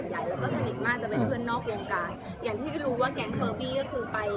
อย่างที่รู้ว่าแก๊งเฟอร์บี้ก็คือไป